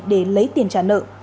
để lấy tiền trả nợ